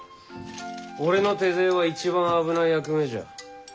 俺の手勢は一番危ない役目じゃ。